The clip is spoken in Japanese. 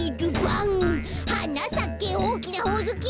「はなさけおおきなほおずき」